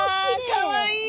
かわいい！